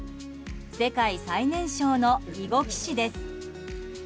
世界最年少の囲碁棋士です。